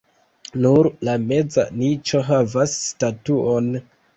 Nur la meza niĉo havas statuon.